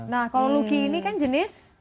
nah kalau luki ini kan jenis